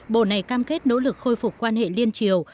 bộ này cam kết nỗ lực khôi phục quan hệ liên triều